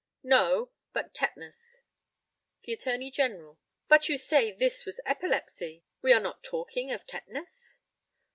No; but tetanus. The ATTORNEY GENERAL: But you say this was epilepsy; we are not talking of tetanus?